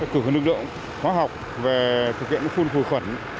cửa nước lượng hóa học về thực hiện phun khuẩn khuẩn